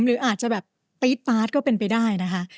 หรืออาจจะแบบตี๊ดปาร์ดก็เป็นไปได้นะคะ